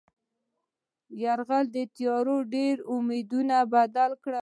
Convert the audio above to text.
د یرغل تیاریو ډېر امیدونه پیدا کړل.